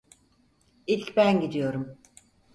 İlk ben gidiyorum.